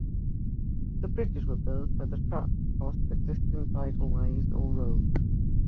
The bridges were built where the tracks crossed existing bridleways or roads.